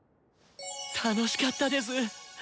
愉しかったです。